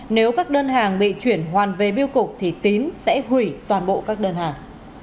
nếu các đơn hàng bị chuyển hoàn về biêu cục thì tín sẽ hủy toàn bộ các đơn hàng